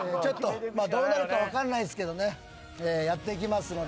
どうなるか分かんないですけどねやっていきますので。